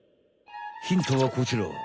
ヒントはこちら！